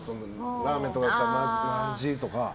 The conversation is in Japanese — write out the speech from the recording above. ラーメンとかだったらまずいとか。